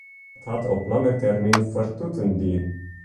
Dat hat op lange termyn fertuten dien.